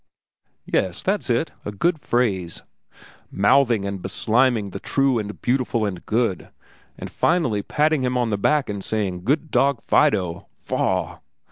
"Yes, that's it, a good phrase,—mouthing and besliming the True, and Beautiful, and Good, and finally patting him on the back and saying, 'Good dog, Fido.' Faugh!